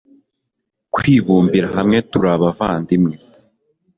kwibumbira hamwe, turi abavandimwe